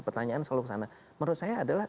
pertanyaan selalu kesana menurut saya adalah